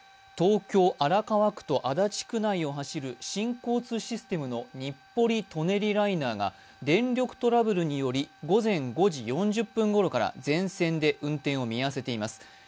東京・荒川区と足立区内を走る新交通システムの日暮里・舎人ライナーが電力トラブルにより、午前４時４０分ごろから全線で運転を見合わせています。